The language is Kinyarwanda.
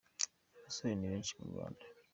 Abasore ni benshi mu Rwanda.